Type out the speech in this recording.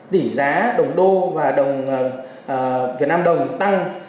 tỷ giá đồng đô và đồng việt nam đồng tăng